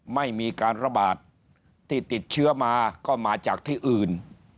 ไม่มีการระบาดที่ติดเชื้อมาก็มาจากที่อื่น